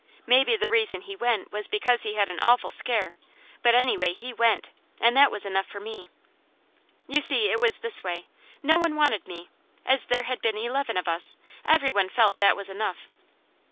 Maybe the reason he went was because he had an awful scare, but anyway he WENT, and that was enough for me. You see it was this way: no one wanted me; as there had been eleven of us, every one felt that was enough.